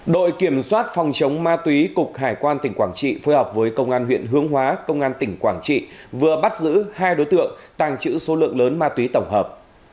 đội kiểm soát phòng chống ma túy cục hải quan tỉnh quảng trị phối hợp với công an huyện hướng hóa công an tỉnh quảng trị vừa bắt giữ hai đối tượng tàng trữ số lượng lớn ma túy tổng hợp